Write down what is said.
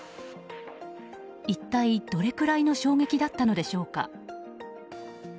一体どれくらいの衝撃だったのでしょうか。